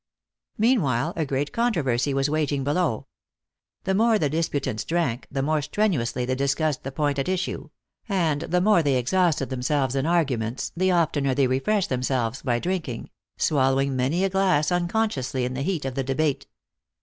Meanwhile, a great controversy was waging below. The more the disputants drank, the more strenuously they discussed the point at issue ; and the more they exhausted themselves in argument, the oftener they re freshed themselves by drinking ; swallowing many a glass unconsciously in the heat of the debate.